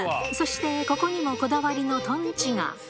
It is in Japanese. そして、ここにもこだわりのとんちが。